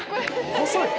細い！